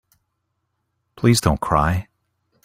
Please don't cry.